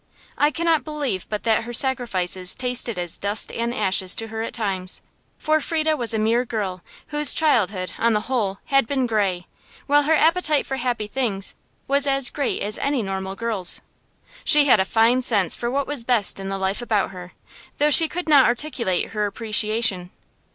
I cannot believe but that her sacrifices tasted as dust and ashes to her at times; for Frieda was a mere girl, whose childhood, on the whole, had been gray, while her appetite for happy things was as great as any normal girl's. She had a fine sense for what was best in the life about her, though she could not articulate her appreciation.